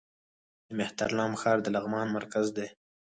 د مهترلام ښار د لغمان مرکز دی